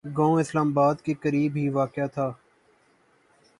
گاؤں اسلام آباد کے قریب ہی واقع تھا